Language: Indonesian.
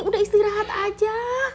udah istirahat aja